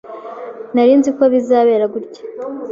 Nari nzi ko bizabera gutya.